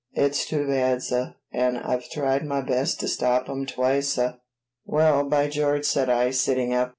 "It's too bad, suh, an' I've tried my bes' to stop 'em twice, suh." "Well, by George!" said I, sitting up.